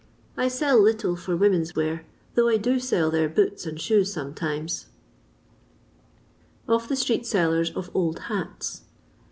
"I sell little for women's wear, though I do sell their boots and shoes sometimes." Of thb Street Sellxbs of Old Hats.